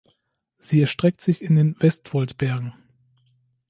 Sie erstreckt sich in den Vestfoldbergen.